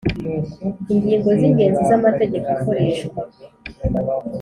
ingingo z’ingenzi z’amategeko akoreshwa